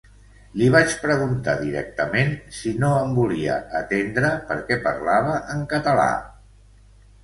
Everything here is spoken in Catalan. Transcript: Li vaig preguntar directament si no em volia atendre perquè parlava en català.